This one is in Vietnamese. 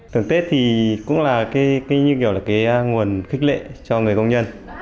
thường tết thì cũng là cái như kiểu là cái nguồn khích lệ cho người công nhân